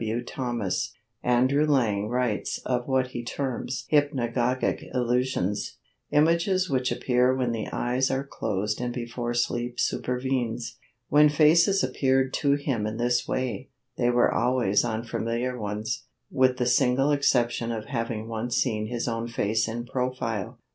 W. Thomas, Andrew Lang writes of what he terms hypnagogic illusions—images which appear when the eyes are closed and before sleep supervenes. When faces appeared to him in this way, they were always unfamiliar ones, with the single exception of having once seen his own face in profile.